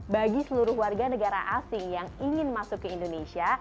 bagi seluruh warga negara asing yang ingin masuk ke indonesia